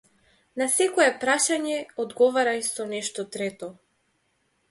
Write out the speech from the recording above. На секое прашање одговарај со нешто трето.